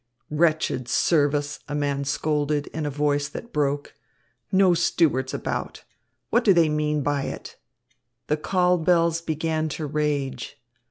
"Wretched service!" a man scolded in a voice that broke. "No stewards about. What do they mean by it?" The call bells began to rage.